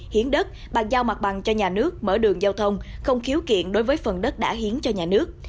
hiến đất bàn giao mặt bằng cho nhà nước mở đường giao thông không khiếu kiện đối với phần đất đã hiến cho nhà nước